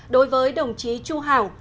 đối với đồng chí chu hảo